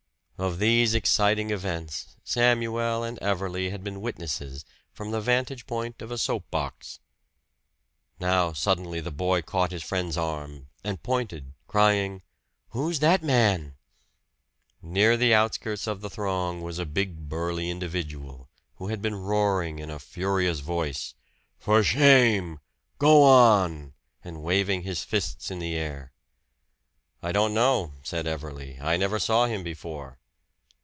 Of these exciting events Samuel and Everley had been witnesses from the vantage point of a soap box. Now suddenly the boy caught his friend's arm and pointed, crying, "Who's that man?" Near the outskirts of the thrown was a big burly individual, who had been roaring in a furious voice, "For shame! Go on!" and waving his fists in the air. "I don't know," said Everley. "I never saw him before."